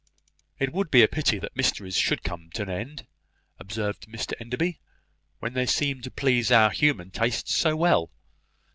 "It would be a pity that mysteries should come to an end," observed Mr Enderby, "when they seem to please our human tastes so well.